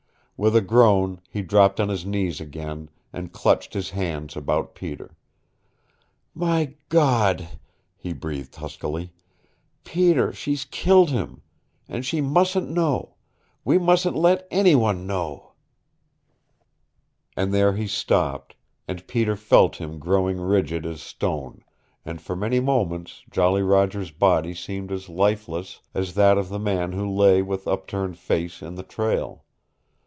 With a groan he dropped on his knees again, and clutched his hands about Peter. "My God," he breathed huskily. "Peter, she's killed him. And she mustn't know. We mustn't let anyone know " And there he stopped, and Peter felt him growing rigid as stone, and for many moments Jolly Roger's body seemed as lifeless as that of the man who lay with up turned face in the trail.